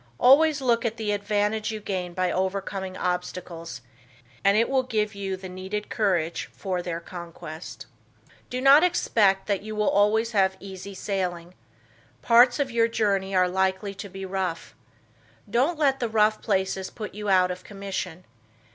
Always look at the advantage you gain by overcoming obstacles, and it will give you the needed courage for their conquest. Do not expect that you will always have easy sailing. Parts of your journey are likely to be rough. Don't let the rough places put you out of commission.